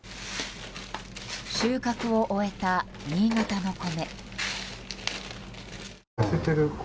収穫を終えた新潟の米。